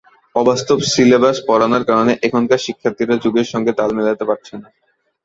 অবাস্তব সিলেবাস পড়ানোর কারণে এখানকার শিক্ষার্থীরা যুগের সঙ্গে তাল মেলাতে পারছে না।